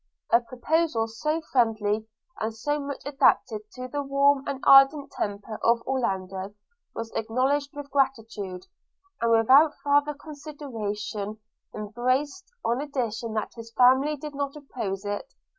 A proposal so friendly, and so much adapted to the warm and ardent temper of Orlando, was acknowledged with gratitude, and without farther consideration embraced, on condition that his family did not oppose it.